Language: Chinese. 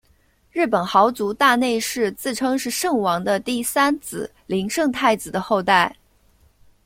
日本豪族大内氏自称是圣王的第三子琳圣太子的后代。